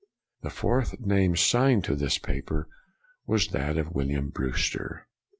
'' The fourth name signed to this paper was that of William Brewster.